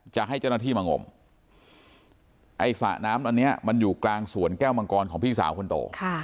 จะให้เจ้าหน้าที่มางมไอ้สระน้ำอันนี้มันอยู่กลางสวนแก้วมังกรของพี่สาวคนโต